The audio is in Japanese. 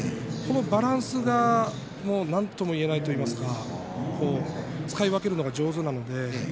そのバランスがなんとも言えないといいますか使い分けるのが上手なので。